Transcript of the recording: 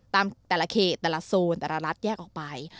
แต่ละเขตแต่ละโซนแต่ละรัฐแยกออกไป